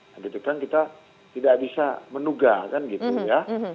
nah di depan kita tidak bisa menunggah kan gitu ya